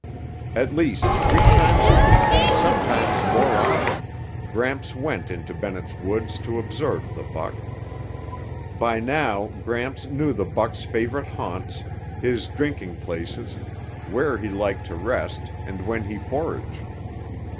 At least three times a week and sometimes more often, Gramps went into Bennett's Woods to observe the buck. By now, Gramps knew the buck's favorite haunts, his drinking places, when he liked to rest and when he foraged.